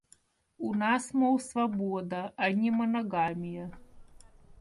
У нас, мол, свобода, а не моногамия.